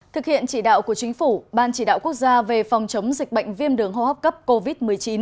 thực hiện chỉ đạo của chính phủ ban chỉ đạo quốc gia về phòng chống dịch bệnh viêm đường hô hấp cấp covid một mươi chín